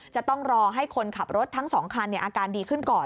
จะต้องรอให้คนขับรถทั้ง๒คันอาการดีขึ้นก่อน